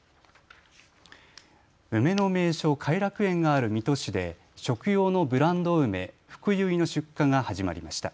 梅の名所、偕楽園がある水戸市で食用のブランド梅ふくゆいの出荷が始まりました。